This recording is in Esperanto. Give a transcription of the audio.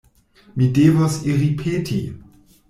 Mi devos iri peti!